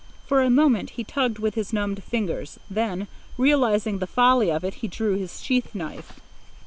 For a moment he tugged with his numbed fingers, then, realizing the folly of it, he drew his sheath knife.